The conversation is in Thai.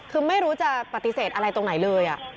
คือไม่รู้จะปฏิเสธอะไรตรงไหนเลย